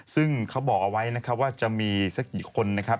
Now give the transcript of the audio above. ซึ่งเขาบอกเอาไว้นะครับว่าจะมีสักกี่คนนะครับ